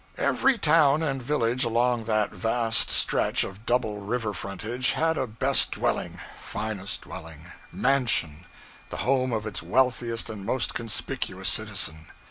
Every town and village along that vast stretch of double river frontage had a best dwelling, finest dwelling, mansion, the home of its wealthiest and most conspicuous citizen.